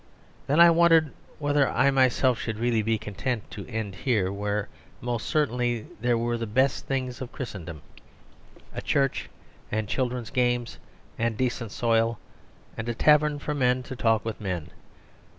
Then I wondered whether I myself should really be content to end here, where most certainly there were the best things of Christendom a church and children's games and decent soil and a tavern for men to talk with men.